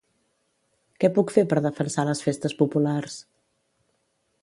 Què puc fer per defensar les festes populars?